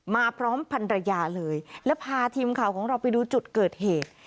มาพร้อมพันรยาเลยแล้วพาทีมข่าวของเราไปดูจุดเกิดเหตุ